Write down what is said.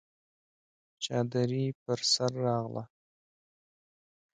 چادري پر سر راغله!